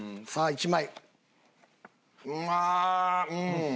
１枚。